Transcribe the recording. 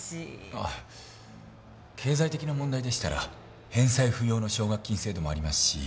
あっ経済的な問題でしたら返済不要の奨学金制度もありますし。